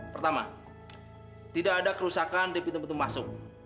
pertama tidak ada kerusakan di pintu pintu masuk